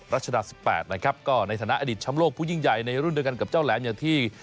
รัชดาสิบแปดนะครับก็ในฐานะอดิษฐ์ชำโลกผู้ยิ่งใหญ่ในรุ่นเดียวกันกับเจ้าแหลมเนี่ยที่